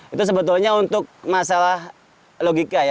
itu sebetulnya untuk masalah logika ya